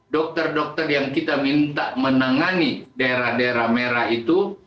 dokter dokter yang kita minta menangani daerah daerah merah itu